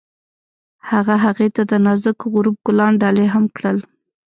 هغه هغې ته د نازک غروب ګلان ډالۍ هم کړل.